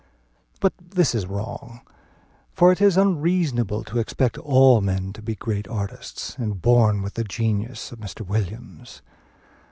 But this is wrong; for it is unreasonable to expect all men to be great artists, and born with the genius of Mr. Williams.